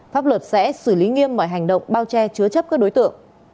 pháp luật sẽ xử lý nghiêm mọi hành động bao che chứa chấp các đối tượng